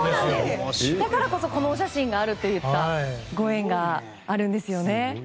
だからこそこのお写真があるといったご縁があるんですよね。